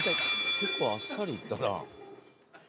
［結構あっさりいったな］